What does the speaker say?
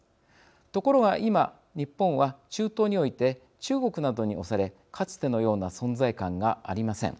ところが今日本は中東において中国などに押されかつてのような存在感がありません。